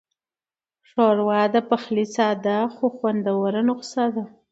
ښوروا د پخلي ساده خو خوندوره نسخه ده.